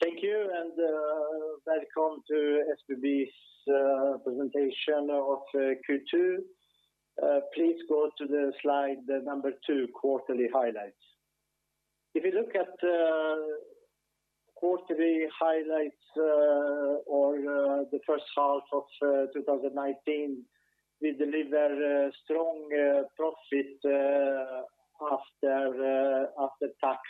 Thank you. Welcome to SBB's presentation of Q2. Please go to the slide number two, quarterly highlights. If you look at the quarterly highlights or the first half of 2019, we delivered a strong profit after tax.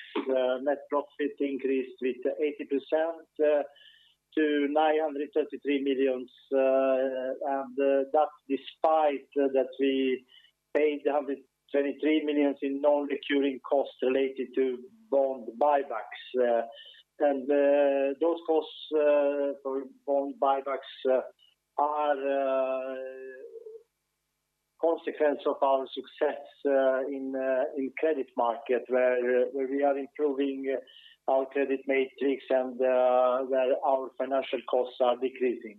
Net profit increased with 80% to 933 million. That's despite that we paid 123 million in non-recurring costs related to bond buybacks. Those costs for bond buybacks are a consequence of our success in credit market where we are improving our credit metrics and where our financial costs are decreasing.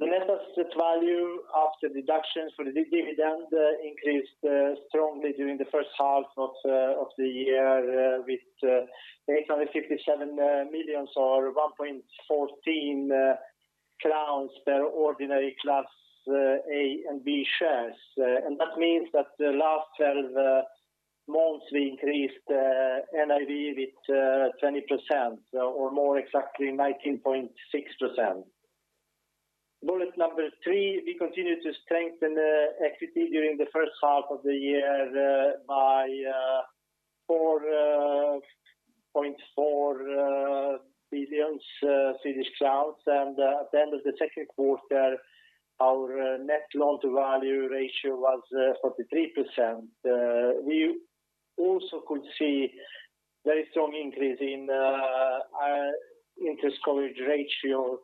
The net asset value after deductions for the dividend increased strongly during the first half of the year with 857 million or 1.14 crowns per ordinary Class A and B shares. That means that the last 12 months we increased NAV with 20% or more, exactly 19.6%. Bullet number three, we continued to strengthen equity during the first half of the year by 4.4 billion Swedish crowns. At the end of the second quarter, our net loan-to-value ratio was 43%. We also could see very strong increase in our interest coverage ratio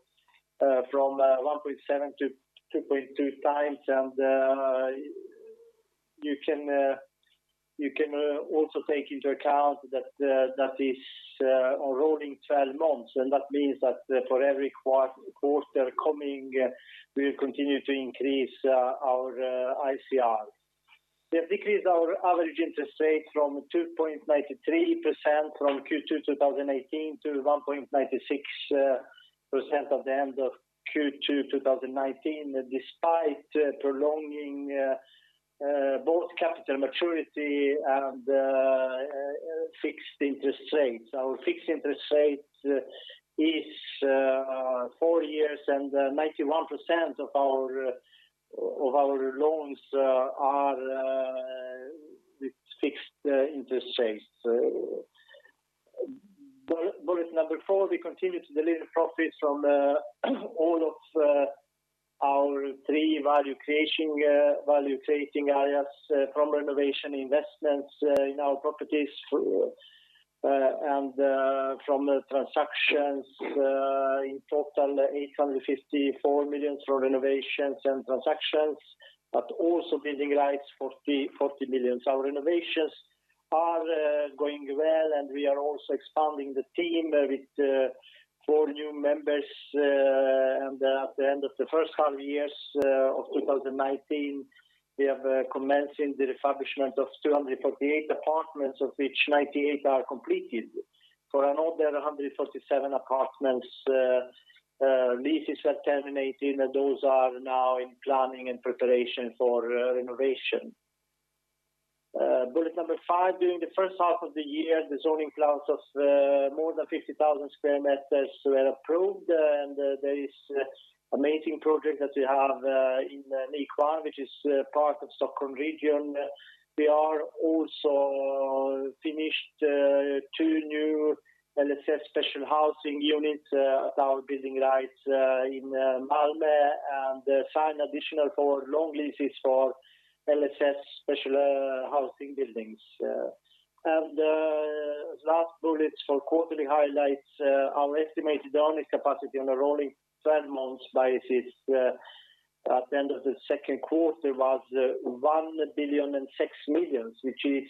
from 1.7 to 2.2 times. You can also take into account that is on rolling 12 months, that means that for every quarter coming, we will continue to increase our ICR. We have decreased our average interest rate from 2.93% from Q2 2018 to 1.96% at the end of Q2 2019, despite prolonging both capital maturity and fixed interest rates. Our fixed interest rate is four years and 91% of our loans are with fixed interest rates. Bullet number four, we continued to deliver profits from all of our three value-creating areas from renovation investments in our properties and from transactions. In total, SEK 854 million for renovations and transactions, but also building rights 40 million. Our renovations are going well. We are also expanding the team with four new members. At the end of the first half years of 2019, we have commenced the refurbishment of 248 apartments, of which 98 are completed. For another 147 apartments leases were terminated. Those are now in planning and preparation for renovation. Bullet number five, during the first half of the year, the zoning plans of more than 50,000 square meters were approved. There is amazing project that we have in Nykvarn, which is part of Stockholm region. We are also finished two new LSS special housing units at our building sites in Malmö and signed additional four long leases for LSS special housing buildings. Last bullet for quarterly highlights, our estimated earning capacity on a rolling 12 months basis at the end of the second quarter was 1,006 million which is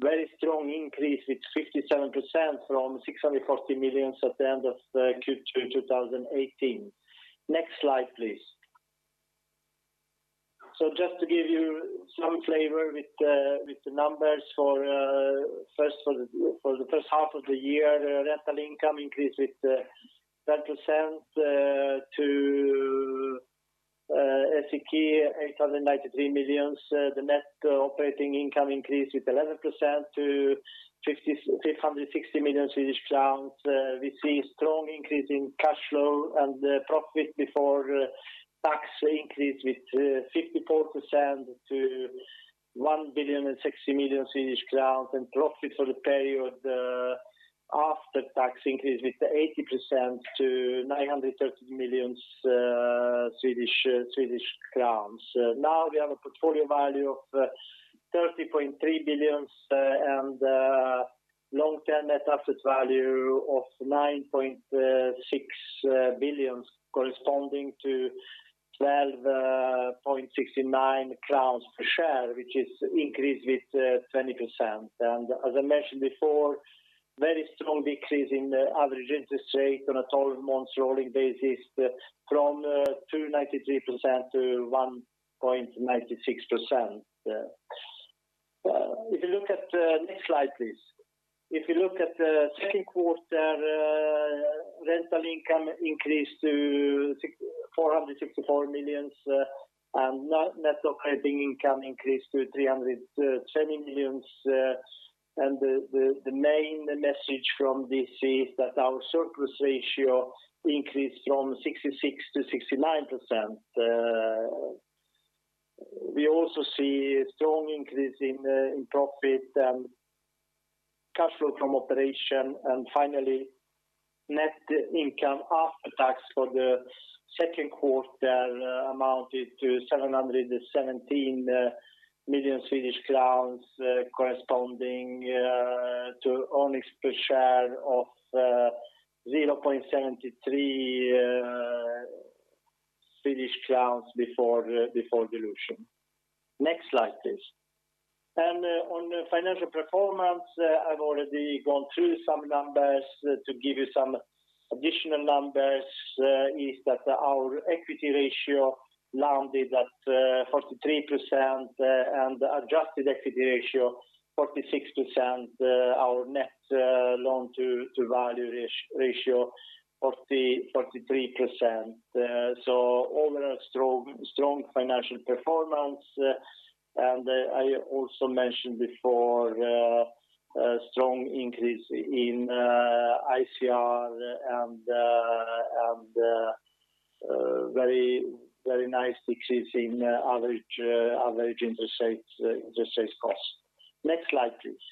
very strong increase with 67% from 640 million at the end of Q2 2018. Next slide, please. Just to give you some flavor with the numbers for the first half of the year, rental income increased with 10% to 893 million. The net operating income increased with 11% to 560 million Swedish crowns. We see strong increase in cash flow and profit before tax increased with 54% to 1,060 million Swedish crowns. Profit for the period after tax increased with 80% to 930 million Swedish crowns. Now we have a portfolio value of 30.3 billion and long-term NAV of 9.6 billion corresponding to 12.69 crowns per share, which is increase with 20%. As I mentioned before, very strong decrease in average interest rate on a 12 months rolling basis from 2.93% to 1.96%. Well, if you look at next slide please. If you look at the second quarter, rental income increased to 464 million and NOI increased to 320 million. The main message from this is that our surplus ratio increased from 66% to 69%. We also see a strong increase in profit and cash flow from operation. Finally, net income after tax for the second quarter amounted to 717 million Swedish crowns, corresponding to earnings per share of 0.73 Swedish crowns before dilution. Next slide, please. On the financial performance, I've already gone through some numbers. To give you some additional numbers, is that our equity ratio landed at 43% and adjusted equity ratio 46%. Our net loan-to-value ratio 43%. Overall strong financial performance. I also mentioned before a strong increase in ICR and very nice increase in average interest rates cost. Next slide, please.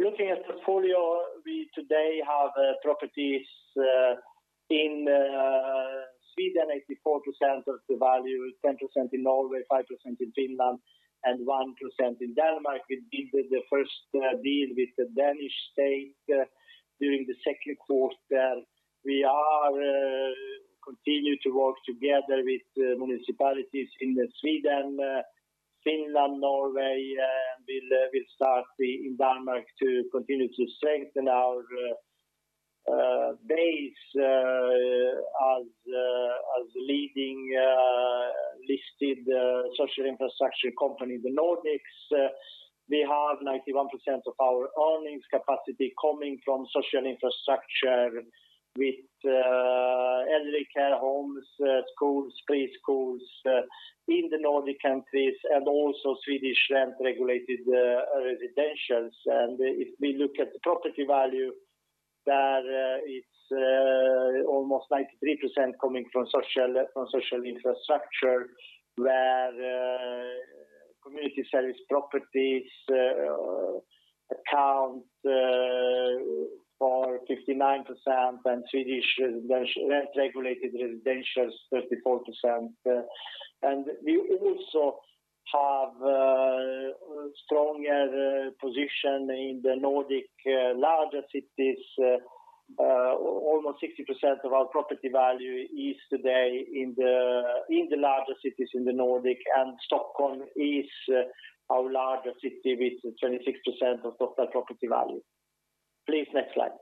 Looking at portfolio, we today have properties in Sweden, 84% of the value, 10% in Norway, 5% in Finland, and 1% in Denmark. We did the first deal with the Danish state during the second quarter. We continue to work together with municipalities in Sweden, Finland, Norway, and we'll start in Denmark to continue to strengthen our base as leading listed social infrastructure company in the Nordics. We have 91% of our earnings capacity coming from social infrastructure with elderly care homes, schools, preschools in the Nordic countries and also Swedish rent-regulated residentials. If we look at the property value, there it's almost 93% coming from social infrastructure, where community service properties account for 59% and Swedish rent-regulated residentials 34%. We also have a stronger position in the Nordic larger cities. Almost 60% of our property value is today in the larger cities in the Nordic, and Stockholm is our larger city with 26% of total property value. Please, next slide.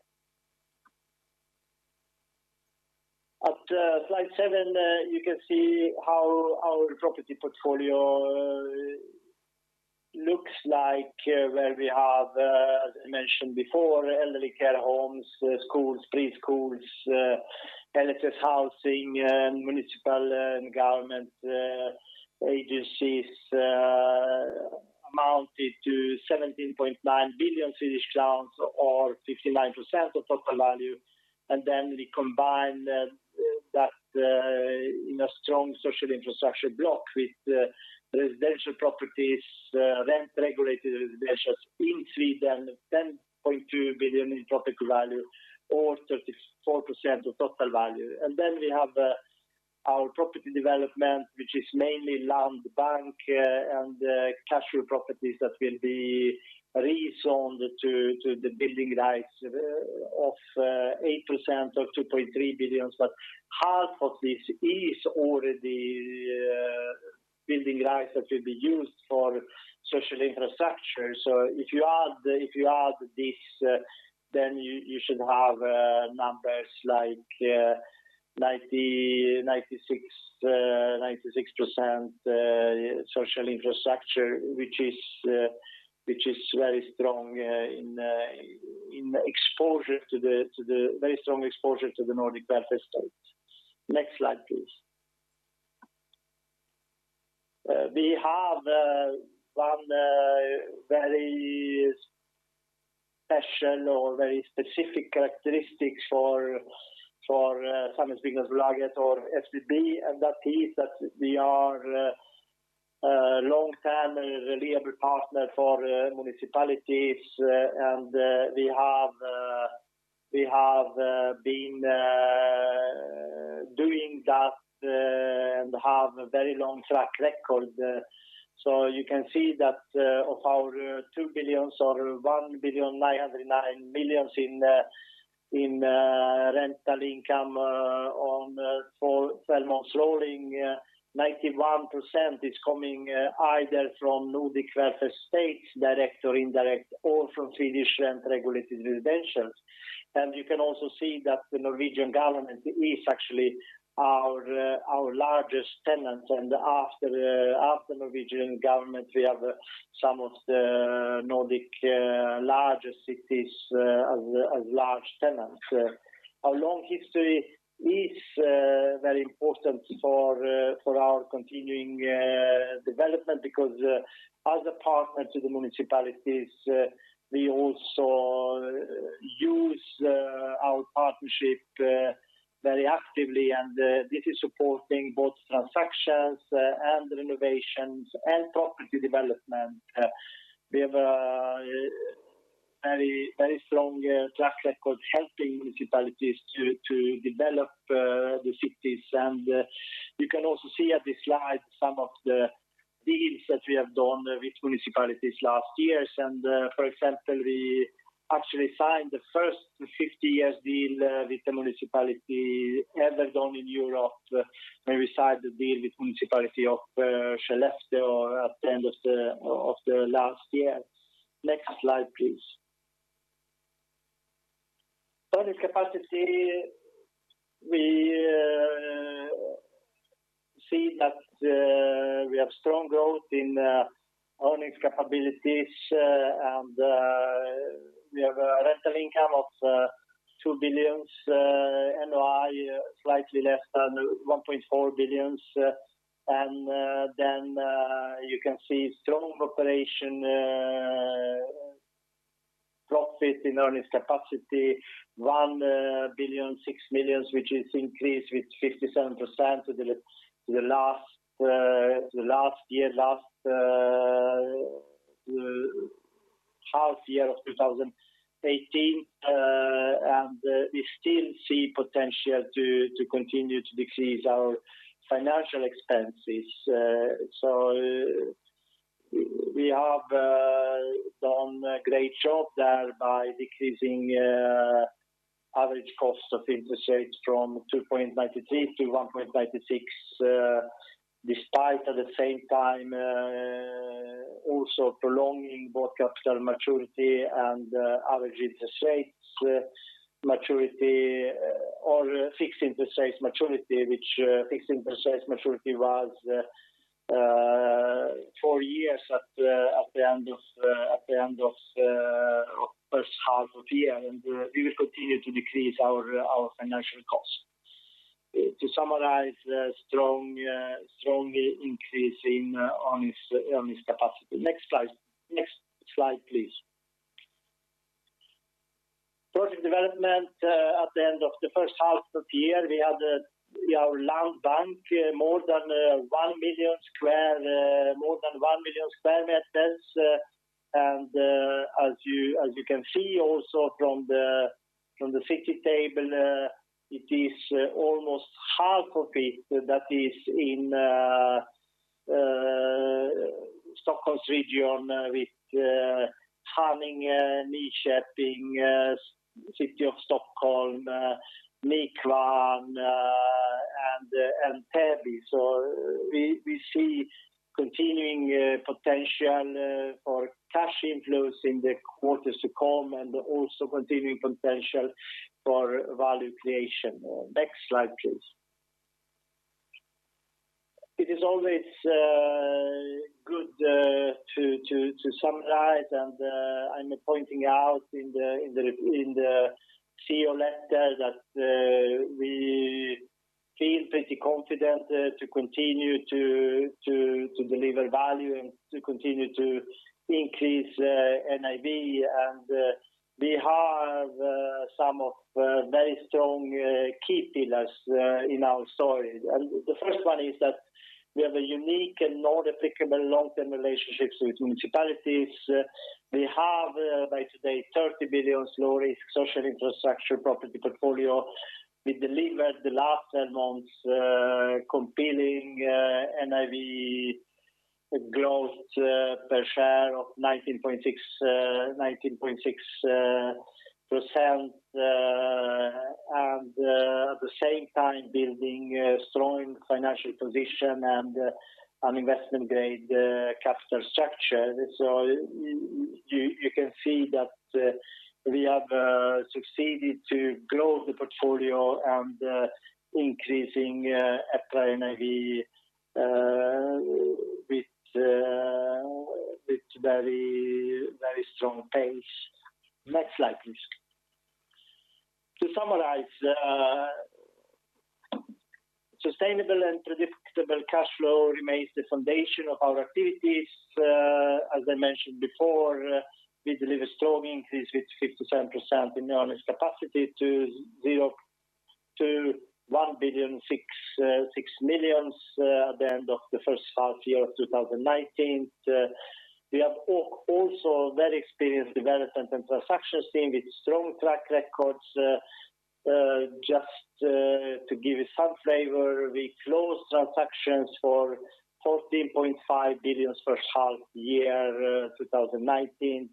At slide seven, you can see how our property portfolio looks like, where we have, as I mentioned before, elderly care homes, schools, preschools, LSS housing and municipal and government agencies amounted to 17.9 billion Swedish crowns or 59% of total value. Then we combine that in a strong social infrastructure block with residential properties, rent-regulated residentials in Sweden, 10.2 billion in property value or 34% of total value. Then we have our property development which is mainly land bank and cash flow properties that will be rezoned to the building rights of 8% or 2.3 billion. Half of this is already building rights that will be used for social infrastructure. If you add this, you should have numbers like 96% social infrastructure, which is very strong in exposure to the Nordic welfare states. Next slide, please. We have one very special or very specific characteristics for Samhällsbyggnadsbolaget or SBB, and that is that we are a long-term reliable partner for municipalities. We have been doing that and have a very long track record. You can see that of our 2 billion or 1,909 million in rental income for the last 12 months, 91% is coming either from Nordic welfare states, direct or indirect, or from Swedish rent-regulated residentials. You can also see that the Norwegian government is actually our largest tenant. After the Norwegian government, we have some of the Nordic largest cities as large tenants. Our long history is very important for our continuing development because as a partner to the municipalities, we also use our partnership very actively, and this is supporting both transactions and renovations and property development. We have a very strong track record helping municipalities to develop the cities. You can also see at this slide some of the deals that we have done with municipalities last years. For example, we actually signed the first 50 years deal with the municipality ever done in Europe. We signed the deal with Municipality of Skellefteå at the end of the last year. Next slide, please. Earnings capacity. We see that we have strong growth in earnings capabilities, and we have a rental income of SEK 2 billion. NOI, slightly less than 1.4 billion. Then you can see strong operation profit in earnings capacity, 1,006 million which is increased with 57% to the last half year of 2018. We still see potential to continue to decrease our financial expenses. We have done a great job there by decreasing average cost of interest rates from 2.93% to 1.96%, despite at the same time also prolonging both capital maturity and average interest rates maturity or fixed interest rates maturity. Fixed interest rates maturity was four years at the end of first half of the year. We will continue to decrease our financial costs. To summarize, strongly increasing earnings capacity. Next slide, please. Project development at the end of the first half of the year, we have our land bank more than 1 million square meters. As you can see also from the city table, it is almost half of it that is in Stockholm's region with Haninge, Nyköping, City of Stockholm, Nykvarn, and Täby. So we see continuing potential for cash inflows in the quarters to come and also continuing potential for value creation. Next slide, please. It is always good to summarize, and I'm pointing out in the CEO letter that we feel pretty confident to continue to deliver value and to continue to increase NAV. We have some of very strong key pillars in our story. The first one is that we have a unique and non-replaceable long-term relationships with municipalities. We have by today 30 billion low-risk social infrastructure property portfolio. We delivered the last 12 months compelling NAV growth per share of 19.6% and at the same time building a strong financial position and an investment-grade capital structure. So you can see that we have succeeded to grow the portfolio and increasing EPRA NAV with very strong pace. Next slide, please. To summarize, sustainable and predictable cash flow remains the foundation of our activities. As I mentioned before, we deliver strong increase with 56%-57% in earnings capacity to 1,006 million at the end of the first half year of 2019. We have also very experienced development and transactions team with strong track records. Just to give you some flavor, we closed transactions for 14.5 billion first half year 2019.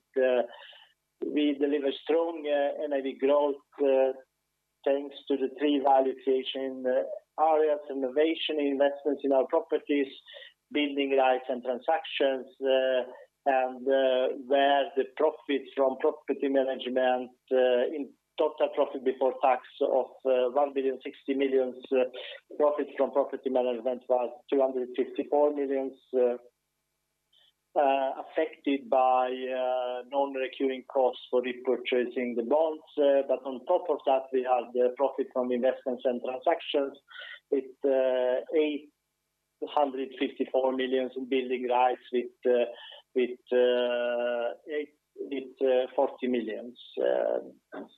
We deliver strong earnings growth thanks to the three value creation areas: innovation, investments in our properties, building rights, and transactions. Where the profits from property management in total profit before tax of 1,060 million. Profits from property management was 254 million, affected by non-recurring costs for repurchasing the bonds. On top of that, we had the profit from investments and transactions with 854 million in building rights with 40 million.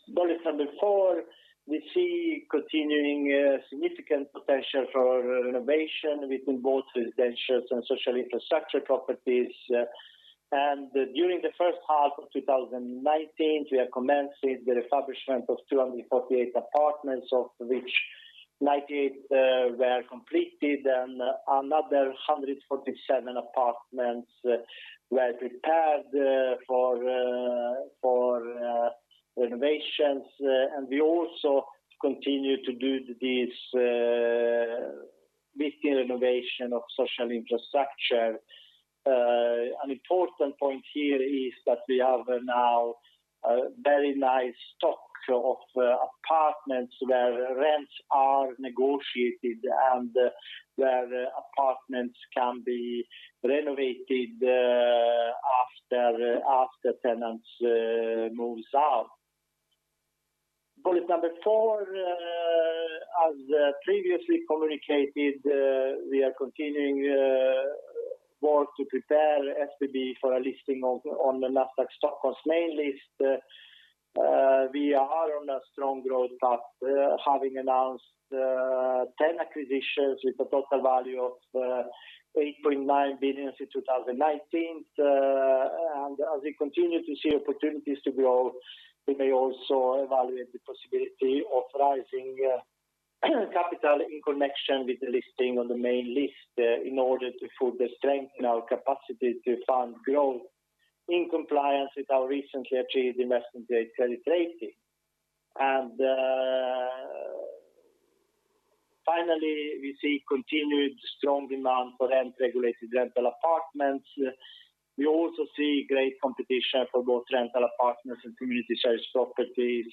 Bullet number four, we see continuing significant potential for renovation between both residentials and social infrastructure properties. During the first half of 2019, we have commenced with the refurbishment of 248 apartments, of which 98 were completed and another 147 apartments were prepared for renovations. We also continue to do this with the renovation of social infrastructure. An important point here is that we have now a very nice stock of apartments where rents are negotiated and where apartments can be renovated after tenants moves out. Bullet number four, as previously communicated, we are continuing work to prepare SBB for a listing on the Nasdaq Stockholm's main list. We are on a strong growth path, having announced 10 acquisitions with a total value of 8.9 billion in 2019. As we continue to see opportunities to grow, we may also evaluate the possibility of rising capital in connection with the listing on the main list in order to further strengthen our capacity to fund growth in compliance with our recently achieved investment grade credit rating. Finally, we see continued strong demand for rent-regulated rental apartments. We also see great competition for both rental apartments and community service properties,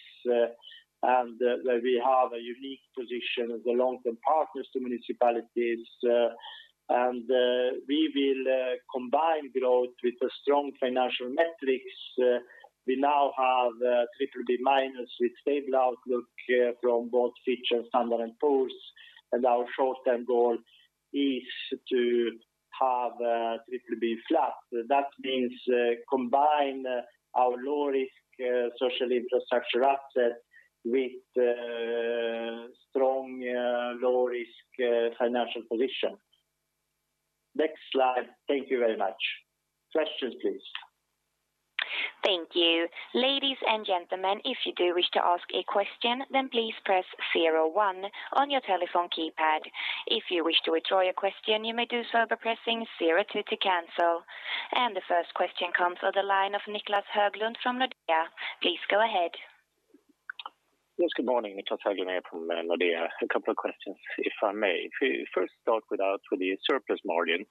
and we have a unique position as a long-term partners to municipalities. We will combine growth with a strong financial metrics. We now have BBB- with stable outlook from both Fitch and Standard & Poor's, and our short-term goal is to have BBB flat. That means we combine our low-risk social infrastructure asset with strong low-risk financial position. Next slide. Thank you very much. Questions, please. Thank you. Ladies and gentlemen, if you do wish to ask a question, then please press 01 on your telephone keypad. If you wish to withdraw your question, you may do so by pressing 02 to cancel. The first question comes on the line of Niclas Höglund from Nordea. Please go ahead. Yes, good morning. Niclas Höglund here from Nordea. A couple of questions, if I may. First start with the surplus margin.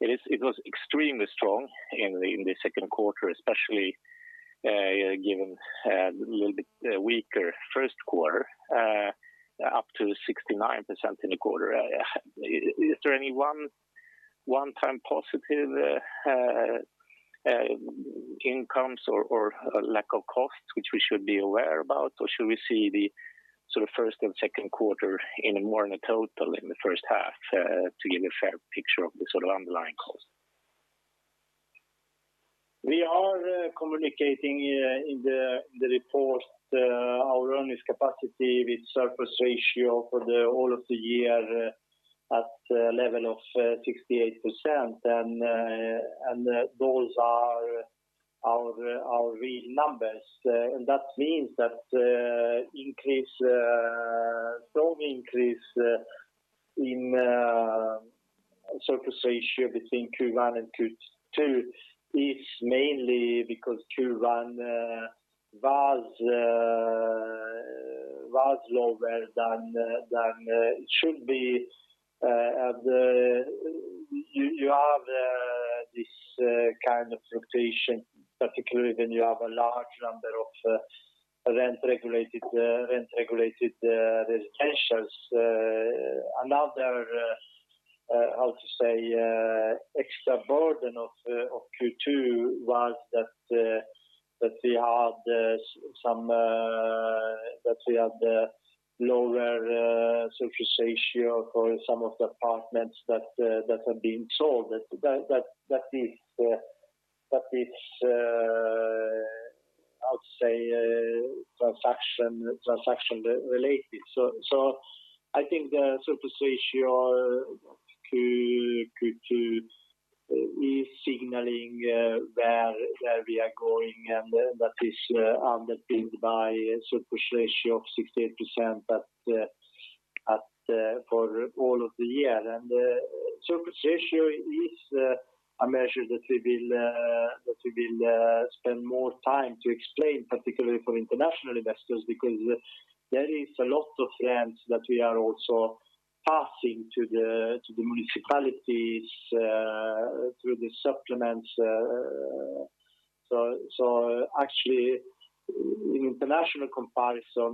It was extremely strong in the second quarter, especially given a little bit weaker first quarter, up to 69% in the quarter. Is there any one-time positive incomes or lack of costs which we should be aware about? Should we see the first and second quarter in more in a total in the first half to give a fair picture of the underlying cost? We are communicating in the report our earnings capacity with surplus ratio for all of the year at level of 68%, those are our real numbers. That means that strong increase in surplus ratio between Q1 and Q2 is mainly because Q1 was lower than it should be. You have this kind of fluctuation, particularly when you have a large number of rent-regulated residentials. Another, how to say, extra burden of Q2 was that we had lower surplus ratio for some of the apartments that have been sold. That is, how to say, transaction related. I think the surplus ratio in Q2 is signaling where we are going, and that is underpinned by a surplus ratio of 68%, but for all of the year. Surplus ratio is a measure that we will spend more time to explain, particularly for international investors, because there is a lot of rents that we are also passing to the municipalities through the supplements. Actually in international comparison,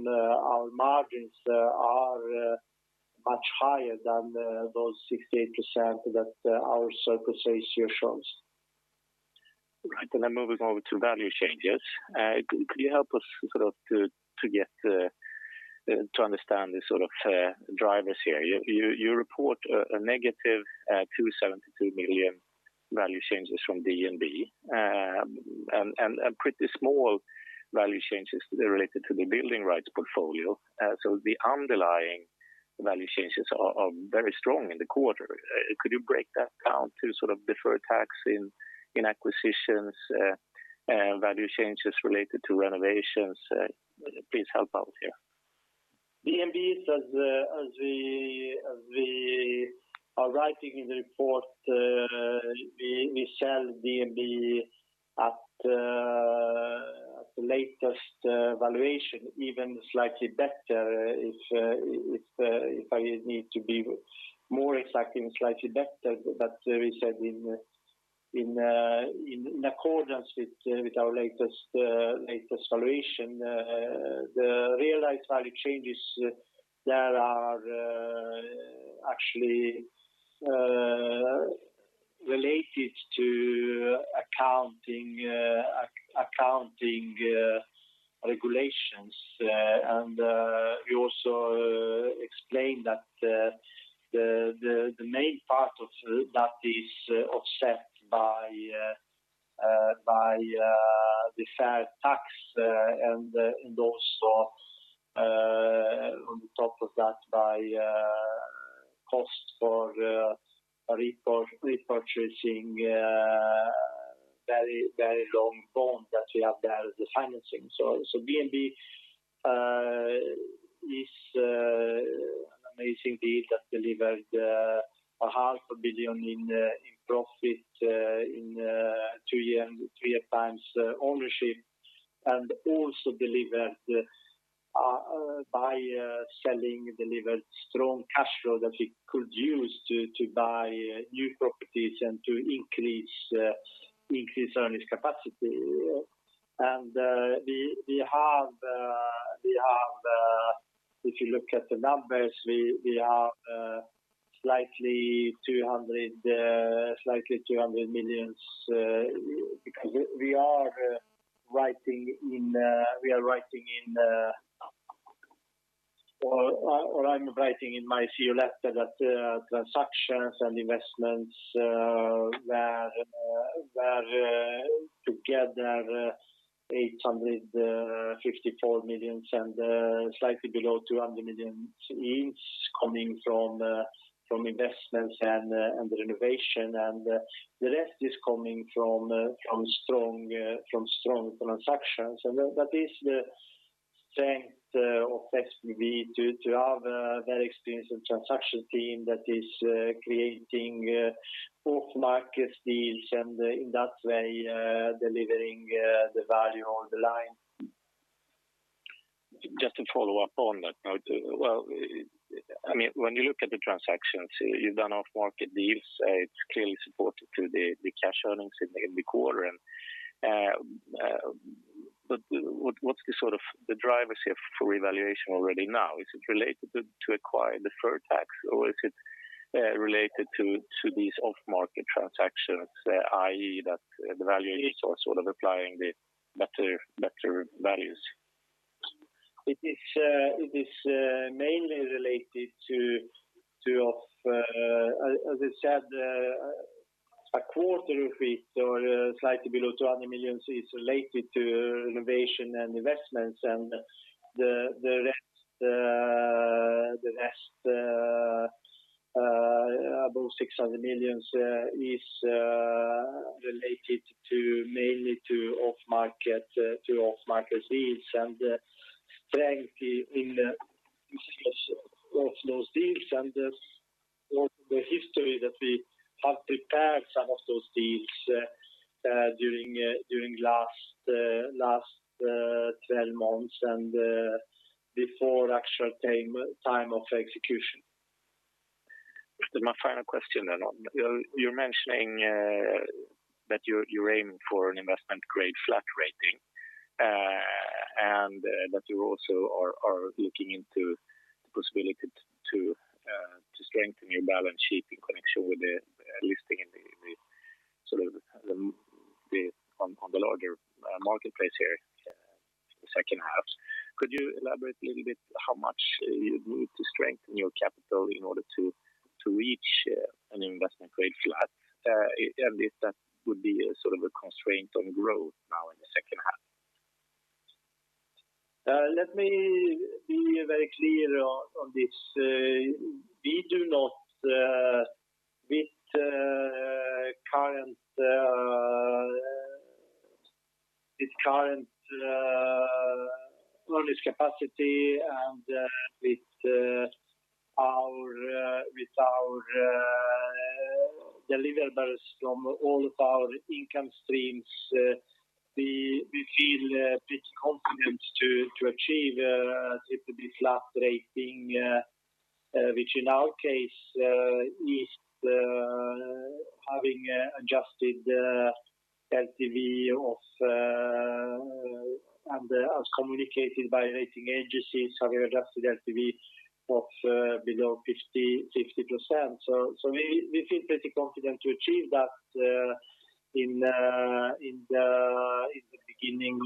our margins are much higher than those 68% that our surplus ratio shows. Right. Moving over to value changes. Could you help us to understand the drivers here? You report a -272 million value changes from DNB, and pretty small value changes related to the building rights portfolio. The underlying value changes are very strong in the quarter. Could you break that down to deferred tax in acquisitions and value changes related to renovations? Please help out here. DNB's as we are writing in the report, we sell DNB at the latest valuation, even slightly better if I need to be more exact and slightly better. We said in accordance with our latest valuation the realized value changes there are actually related to accounting regulations. We also explained that the main part of that is offset by the fair tax and also on top of that by cost for repurchasing very long bond that we have there, the financing. So, DNB is an amazing deal that delivered a half a billion in profit in two year and three times ownership, and also by selling delivered strong cash flow that we could use to buy new properties and to increase earnings capacity. If you look at the numbers, we have slightly 200 million because we are writing in or I'm writing in my CEO letter that transactions and investments were together 854 million and slightly below 200 million is coming from investments and the renovation and the rest is coming from strong transactions. That is the strength of SBB to have a very experienced transaction team that is creating off-market deals and in that way delivering the value on the line. Just to follow up on that. When you look at the transactions, you've done off-market deals, it's clearly supported through the cash earnings in the quarter. What's the drivers here for revaluation already now? Is it related to acquiring deferred tax or is it related to these off-market transactions, i.e. that the valuation is also applying the better values? It is mainly related to as I said a quarter of it or slightly below 200 million is related to renovation and investments and the rest above 600 million is related mainly to off-market deals and the strength in each of those deals and the history that we have prepared some of those deals during last 12 months and before actual time of execution. My final question. You are mentioning that you are aiming for an investment grade flat rating and that you also are looking into the possibility to strengthen your balance sheet in connection with the listing on the larger marketplace here in the second half. Could you elaborate a little bit how much you need to strengthen your capital in order to reach an investment grade flat? And if that would be a constraint on growth now in the second half. Let me be very clear on this. We do not with current earnings capacity and with our deliverables from all of our income streams, we feel pretty confident to achieve BBB flat rating, which in our case is having adjusted LTV and as communicated by rating agencies, having adjusted LTV of below 50%-60%. We feel pretty confident to achieve that in the beginning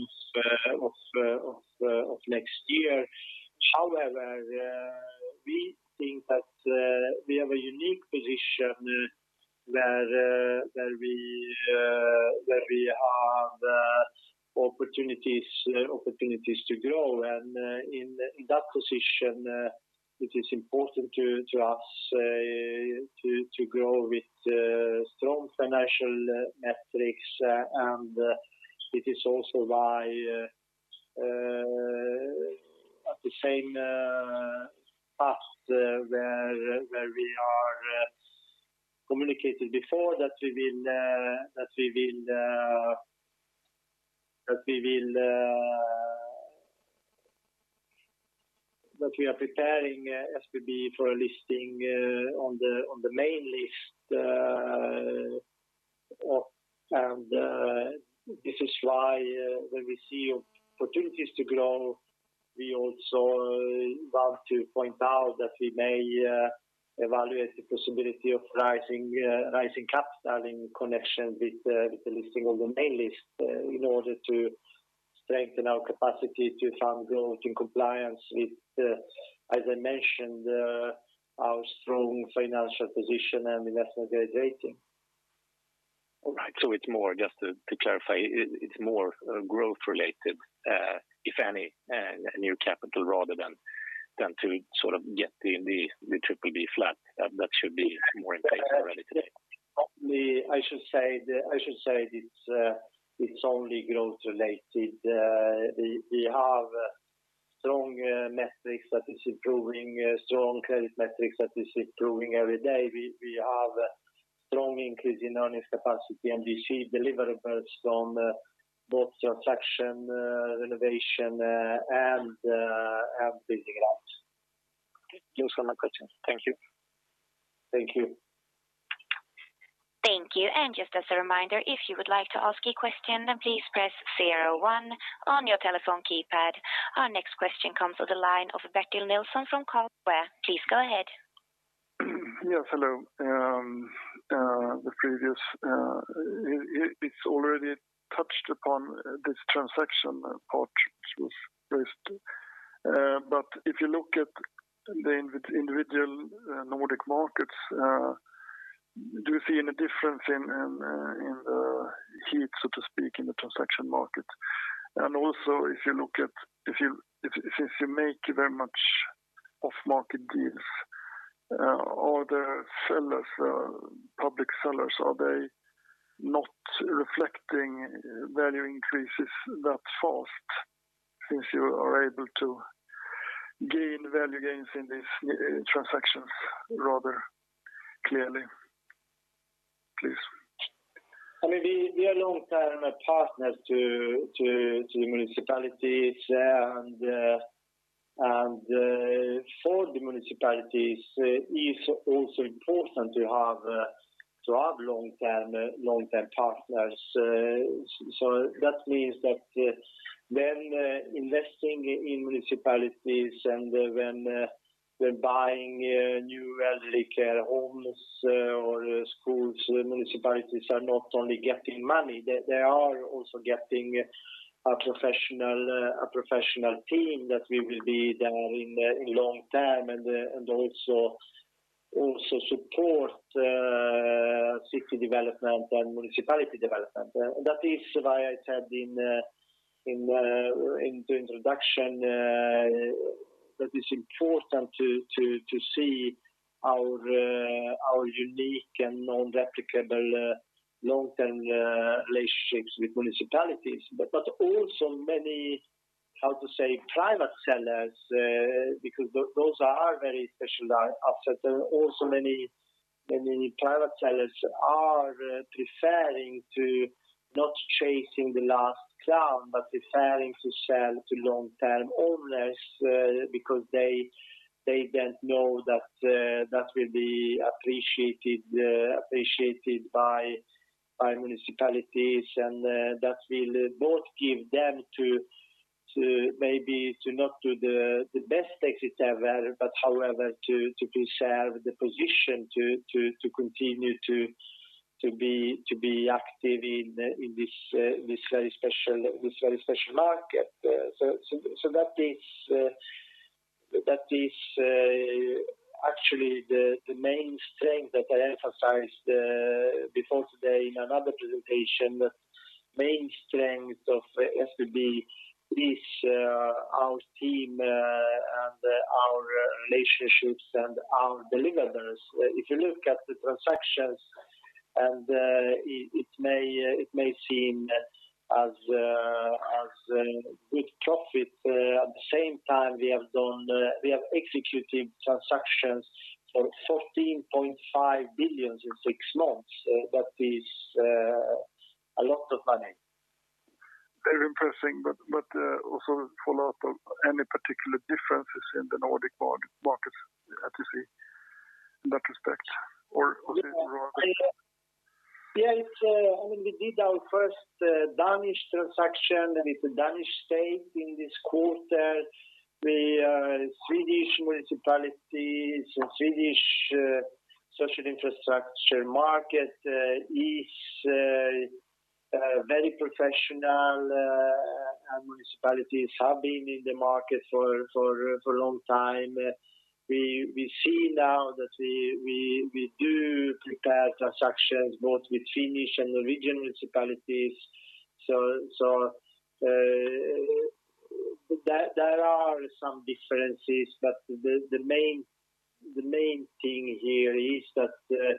of next year. However, we think that we have a unique position where we have opportunities to grow, and in that position, it is important to us to grow with strong financial metrics, and it is also why at the same path where we are communicating before that we are preparing SBB for a listing on the main list. This is why when we see opportunities to grow, we also want to point out that we may evaluate the possibility of raising capital in connection with the listing on the main list in order to strengthen our capacity to fund growth in compliance with as I mentioned, our strong financial position and investment grade rating. All right. Just to clarify, it is more growth related, if any, new capital rather than to sort of get the BBB flat that should be more in place already today. I should say it's only growth related. We have strong metrics that is improving, strong credit metrics that is improving every day. We have a strong increase in earnings capacity, we see deliverables from both transaction renovation and leasing it out. Okay. Those were my questions. Thank you. Thank you. Thank you. Just as a reminder, if you would like to ask a question, then please press 01 on your telephone keypad. Our next question comes to the line of Bertil Nilsson from Carlsquare. Please go ahead. Yes, hello. The previous, it's already touched upon this transaction part which was raised. If you look at the individual Nordic markets, do you see any difference in the heat, so to speak, in the transaction market? Also if you make very much off-market deals or the public sellers, are they not reflecting value increases that fast since you are able to gain value gains in these transactions rather clearly, please? We are long-term partners to the municipalities and for the municipalities, it is also important to have long-term partners. That means that when investing in municipalities and when they're buying new elderly care homes or schools, the municipalities are not only getting money, they are also getting a professional team that we will be there in long-term and also support city development and municipality development. That is why I said in the introduction that it's important to see our unique and non-replicable long-term relationships with municipalities. Also many, how to say, private sellers because those are very specialized assets and also many private sellers are preferring to not chasing the last krona, but preferring to sell to long-term owners because they then know that will be appreciated by municipalities and that will both give them to maybe to not to the best exit ever, but however, to preserve the position to continue to be active in this very special market. That is actually the main strength that I emphasized before today in another presentation. The main strength of SBB is our team and our relationships and our deliverables. If you look at the transactions. It may seem as good profit. At the same time, we have executed transactions for 14.5 billion in six months. That is a lot of money. Very impressing, also follow-up of any particular differences in the Nordic markets that you see in that respect or also in Norway? Yeah. We did our first Danish transaction with the Danish State in this quarter. The Swedish municipalities and Swedish social infrastructure market is very professional, and municipalities have been in the market for a long time. We see now that we do prepare transactions both with Finnish and Norwegian municipalities. There are some differences, but the main thing here is that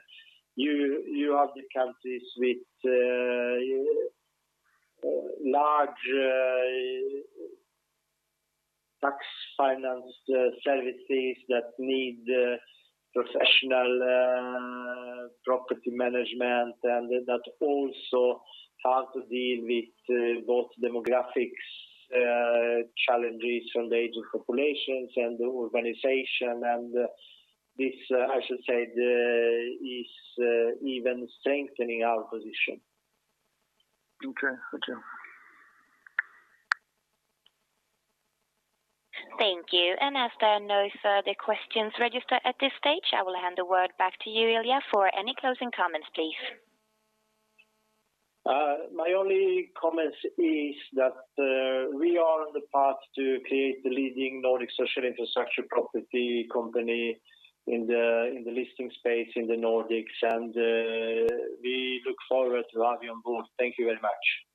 you have the countries with large tax-financed services that need professional property management, and that also have to deal with both demographics challenges from the aging populations and the urbanization. This, I should say, is even strengthening our position. Okay. Good job. Thank you. As there are no further questions registered at this stage, I will hand the word back to you, Ilija, for any closing comments, please. My only comment is that we are on the path to create the leading Nordic social infrastructure property company in the listing space in the Nordics. We look forward to have you on board. Thank you very much.